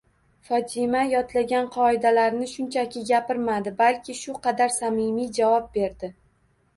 Fotima yodlangan qoidalarni shunchaki gapirmadi, balki shu qadar sammiy javob berdi.